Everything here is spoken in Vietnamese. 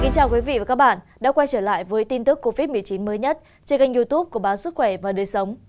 chào các bạn đã quay trở lại với tin tức covid một mươi chín mới nhất trên kênh youtube của bán sức khỏe và đời sống